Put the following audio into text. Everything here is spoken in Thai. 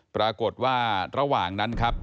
ปรากฏว่าระหว่างนั้นครับ